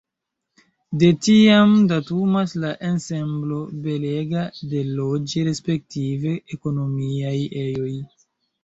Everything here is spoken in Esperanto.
De tiam datumas la ensemblo belega de loĝ- respektive ekonomiaj ejoj.